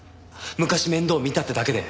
昔面倒見たってだけで。